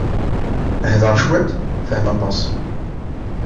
Hder cwiṭ, fhem aṭas.